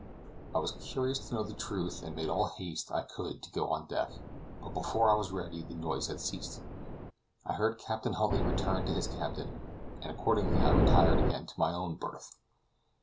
I was curious to know the truth, and made all haste I could to go on deck; but before I was ready, the noise had ceased. I heard Captain Huntly return to his cabin, and accordingly I retired again to my own berth.